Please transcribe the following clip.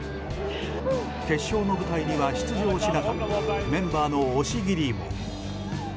決勝の舞台には出場しなかったメンバーの押切も。